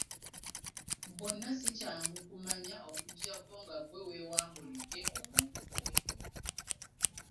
Bonna si kyangu kumanya okuggyako nga ggwe weewangulidde omuntu oyo.